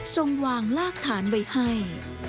ส่งวางรากฐานไว้ให้